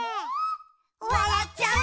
「わらっちゃう」